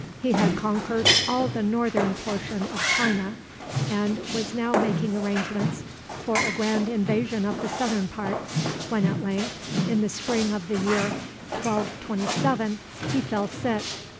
He had conquered all the northern portion of China, and was now making arrangements for a grand invasion of the southern part, when at length, in the spring of the year 1227, he fell sick.